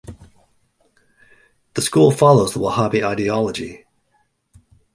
The schools follows the Wahhabi ideology.